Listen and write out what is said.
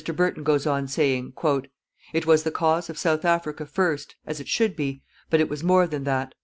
Burton goes on saying: "_It was the cause of South Africa first as it should be but it was more than that.